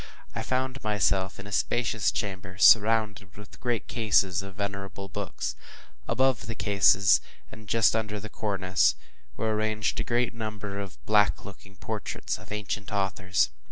I found myself in a spacious chamber, surrounded with great cases of venerable books. Above the cases, and just under the cornice, were arranged a great number of black looking portraits of ancient authors.